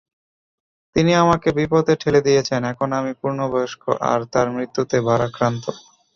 তিনি আমাকে বিপথে ঠেলে দিয়েছেন, এখন আমি পূর্ণবয়স্ক আর তার মৃত্যুতে ভারাক্রান্ত।